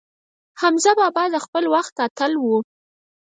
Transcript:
حمزه بابا د خپل وخت اتل و.